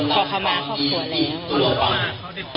พอเขามาครอบครัวแล้ว